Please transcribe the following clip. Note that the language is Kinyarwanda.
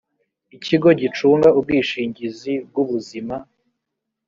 ikigo gicunga ubwishingizi bw ubuzima